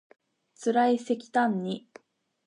つらいせきたんに